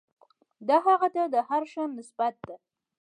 دا هغه ته د هر ښه نسبت ده.